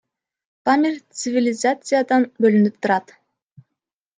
Памир цивилизациядан бөлүнүп турат.